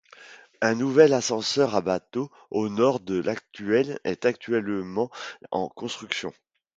Un nouvel ascenseur à bateau au nord de l'actuel est actuellement en construction.